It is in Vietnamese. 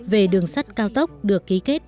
về đường sắt cao tốc được ký kết